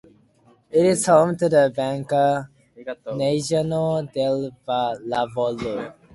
It is home to the Banca Nazionale del Lavoro.